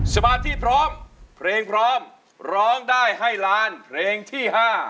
สมาธิพร้อมเพลงพร้อมร้องได้ให้ล้านเพลงที่๕